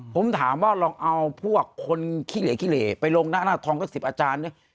ผมถามว่าลองเอาพวกคนขี้เหล่ไปลงนะหน้าทองก็๑๐อาจารย์